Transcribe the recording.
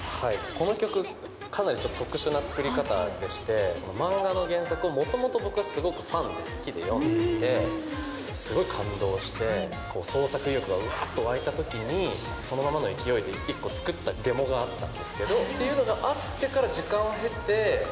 この曲、かなりちょっと特殊な作り方でして、漫画の原作をもともと僕は、すごくファンで好きで読んでいて、すごい感動して、創作意欲がうわっと湧いたときに、そのままの勢いで一個作ったデモがあったんです。